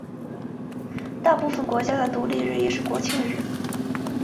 大部分国家的独立日也是国庆日。